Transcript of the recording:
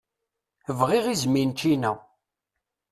Bɣiɣ iẓmi n ččina.